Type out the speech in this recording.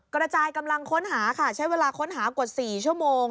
กระจายกำลังค้นหาค่ะใช้เวลาค้นหากว่า๔ชั่วโมง